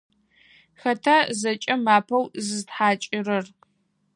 Хэта зэкӏэм апэу зызытхьакӏырэр?